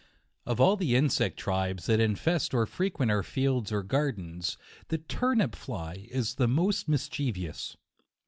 128 JUNE. Of all the insegt tribes that infest or frequent our fields or gardens, the turnip fly is the most mischievous.